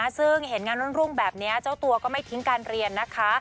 ซึ่งเห็นงานรุ่งแบบนี้เจ้าตัวก็ไม่ทิ้งการเรียนนะคะ